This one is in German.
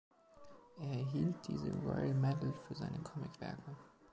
Er erhielt diese Royal Medal für seine Comicwerke.